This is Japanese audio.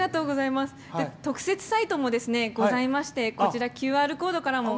特設サイトもございましてこちらＱＲコードからも。